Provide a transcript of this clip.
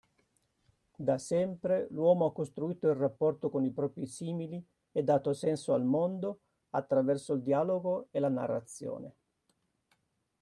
Da sempre l'uomo ha costruito il rapporto con i propri simili e dato senso al mondo, attraverso il dialogo e la narrazione.